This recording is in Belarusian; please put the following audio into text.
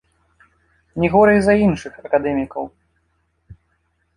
Не горай за іншых акадэмікаў.